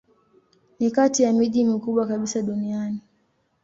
Ni kati ya miji mikubwa kabisa duniani.